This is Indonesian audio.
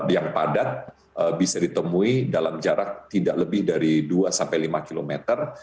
yang padat bisa ditemui dalam jarak tidak lebih dari dua sampai lima kilometer